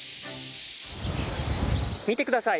見てください